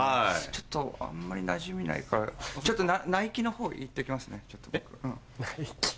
ちょっとあんまりなじみないからちょっとナイキのほう行って来ますね僕。